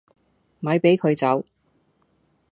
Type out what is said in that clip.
咪俾佢走